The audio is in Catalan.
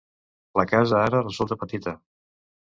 La casa, ara, resulta petita.